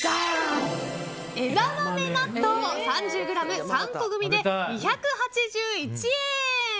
えだまめ納豆３０ｇ、３個組で２８１円。